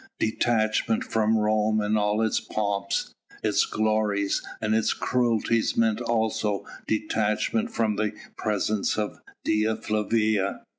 Detachment from Rome and all its pomps, its glories, and its cruelties meant also detachment from the presence of Dea Flavia.